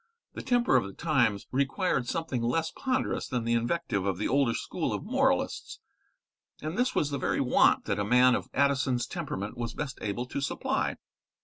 The temper of the times required something less ponderous than the invective of the older school of moralists, and this was the very want that a man of Addison's temperament was best able to supply.